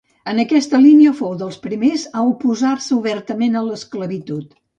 En aquesta línia, fou dels primers a oposar-se obertament a l'esclavitud.